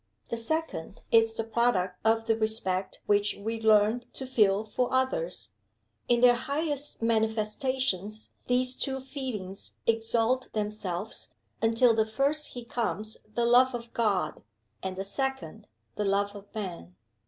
The second is the product of the respect which we learn to feel for others. In their highest manifestations, these two feelings exalt themselves, until the first he comes the love of God, and the second the love of Man.